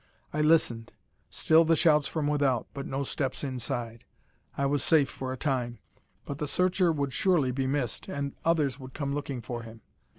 I listened. Still the shouts from without, but no steps inside. I was safe for a time. But the searcher would surely be missed, and others would come looking for him.